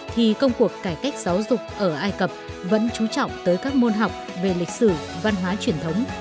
thì công cuộc cải cách giáo dục ở ai cập vẫn trú trọng tới các môn học về lịch sử văn hóa truyền thống